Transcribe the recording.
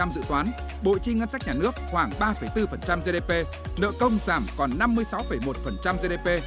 dự toán bộ chi ngân sách nhà nước khoảng ba bốn gdp nợ công giảm còn năm mươi sáu một gdp